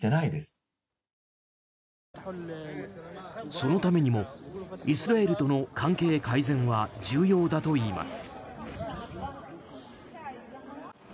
そのためにも、イスラエルとの関係改善は重要だといいます。